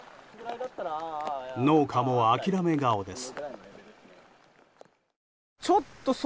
農家も諦め顔です。